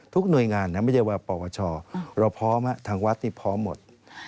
หน่วยงานนะไม่ใช่ว่าปวชเราพร้อมทางวัดนี่พร้อมหมด